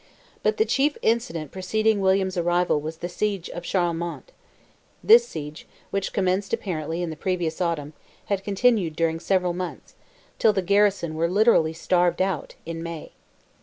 But the chief incident preceding William's arrival was the siege of Charlemont. This siege, which commenced apparently in the previous autumn, had continued during several months, till the garrison were literally starved out, in May.